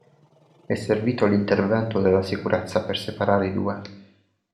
È servito l'intervento della sicurezza per separare i due.